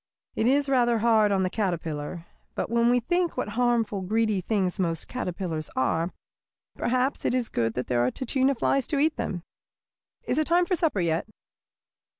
It is rather hard on the caterpillar. But when we think what harmful, greedy things most caterpillars are, perhaps it is good that there are tachina flies to eat them. Is it time for supper yet?"